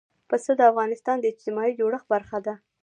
پسه د افغانستان د اجتماعي جوړښت برخه ده.